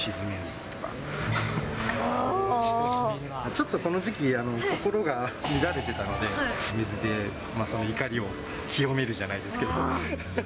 ちょっとこの時期、心が乱れてたので、水でその怒りを清めるじゃないですけど。